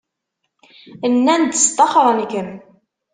Nnan-d sṭaxren-kem.